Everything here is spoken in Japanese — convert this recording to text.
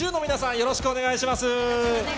よろしくお願いします。